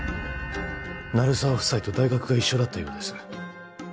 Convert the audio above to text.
鳴沢夫妻と大学が一緒だったようです